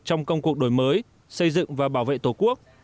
trong công cuộc đổi mới xây dựng và bảo vệ tổ quốc